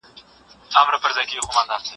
د زغم لمن دي مي خدای نه باسي دزړه له ګوتو